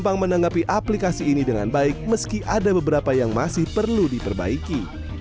bank menanggapi aplikasi ini dengan baik meski ada beberapa yang masih perlu diperbaiki